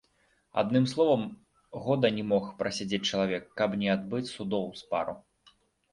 Адным словам, года не мог прасядзець чалавек, каб не адбыць судоў з пару.